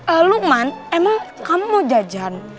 ehm lukman emang kamu mau jajan